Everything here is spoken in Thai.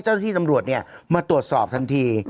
เจ้าที่น้ำรวดมาตรวจสอบทันที